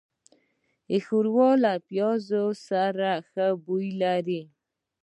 ښوروا له پيازو سره ښه بوی لري.